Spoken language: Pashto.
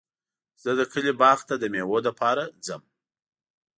زه د کلي باغ ته د مېوو لپاره ځم.